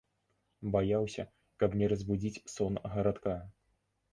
Баяўся, каб не разбудзіць сон гарадка.